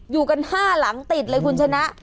อยู่กัน๕หลังติดเลยคุณชนะ